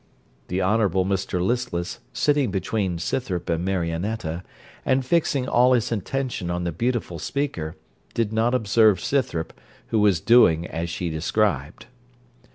_(The Honourable Mr Listless sitting between Scythrop and Marionetta, and fixing all his attention on the beautiful speaker, did not observe Scythrop, who was doing as she described.)